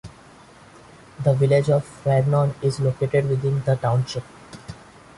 The village of Vernon is located within the township.